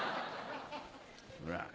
「ほら」。